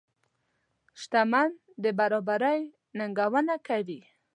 شتمن د برابرۍ ننګونه کوي.